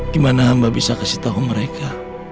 gimana hamba bisa kasih tau mereka